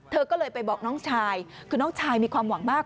เธอก็เลยไปบอกน้องชายคือน้องชายมีความหวังมาก